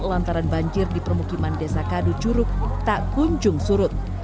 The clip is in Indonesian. lantaran banjir di permukiman desa kadu curug tak kunjung surut